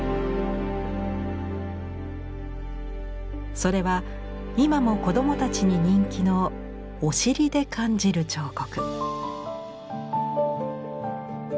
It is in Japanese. それは今も子どもたちに人気の「お尻で感じる彫刻」。